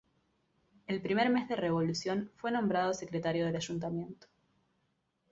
El primer mes de revolución fue nombrado secretario del ayuntamiento.